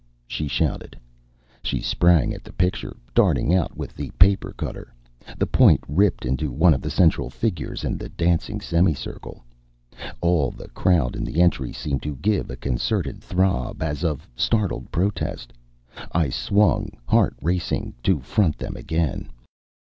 she shouted. She sprang at the picture, darting out with the paper cutter. The point ripped into one of the central figures in the dancing semicircle. All the crowd in the entry seemed to give a concerted throb, as of startled protest. I swung, heart racing, to front them again.